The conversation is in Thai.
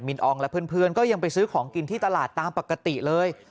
อองและเพื่อนก็ยังไปซื้อของกินที่ตลาดตามปกติเลย